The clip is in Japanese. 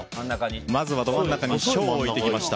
まずは真ん中に小を置いてきました。